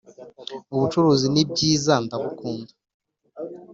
ubucuruzi nibyiza ndabukunda